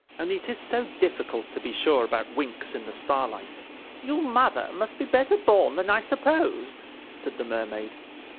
Only it is so difficult to be sure about winks in the starlight. "Your mother must be better born than I supposed," said the Mermaid.